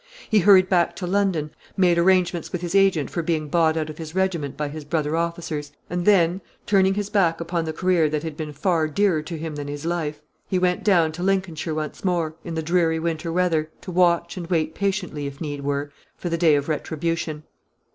He hurried back to London, made arrangements with his agent for being bought out of his regiment by his brother officers, and then, turning his back upon the career that had been far dearer to him than his life, he went down to Lincolnshire once more, in the dreary winter weather, to watch and wait patiently, if need were, for the day of retribution.